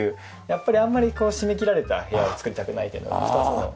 やっぱりあんまり閉めきられた部屋を造りたくないというのが。